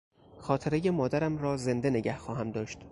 خاطرهی مادرم را زنده نگه خواهم داشت.